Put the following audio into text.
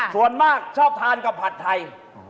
ส่วนมากชอบทานกับผัดไทย